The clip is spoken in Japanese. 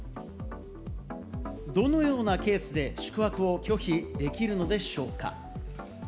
どのようなケースで宿泊を拒否できるのでしょうか？